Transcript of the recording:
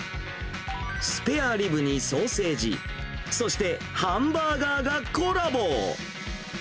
スペアリブにソーセージ、そしてハンバーガーがコラボ。